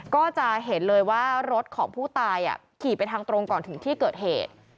ก็จะเห็นเลยว่ารถของผู้ตายขี่ไปทางตรงก่อนถึงที่เกิดเหตุ